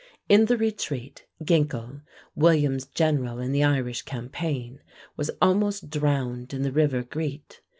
In the retreat, Ginkel, William's general in the Irish campaign, was almost drowned in the river Greete.